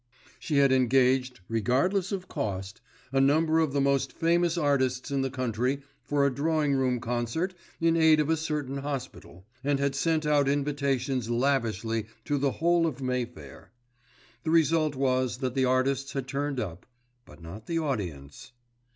She had engaged, regardless of cost, a number of the most famous artists in the country for a drawing room concert in aid of a certain hospital, and had sent out invitations lavishly to the whole of Mayfair. The result was that the artists had turned up; but not the audience.